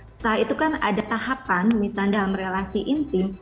setelah itu kan ada tahapan misalnya dalam relasi intim